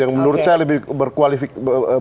yang menurut saya lebih berkualifikasi